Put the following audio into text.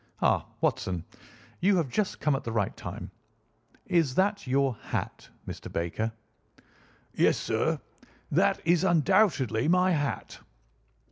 Ah, Watson, you have just come at the right time. Is that your hat, Mr. Baker?" "Yes, sir, that is undoubtedly my hat."